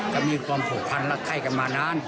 ก็มีความผูกพันรักไข้กันมานาน